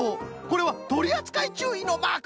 これはとりあつかいちゅういのマーク！